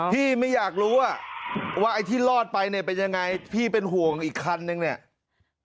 พี่ไม่อยากรู้ว่าไอ้ที่รอดไปเนี่ยเป็นยังไงพี่เป็นห่วงอีกคันนึงเนี่ย